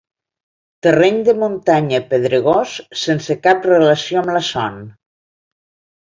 Terreny de muntanya pedregós sense cap relació amb la son.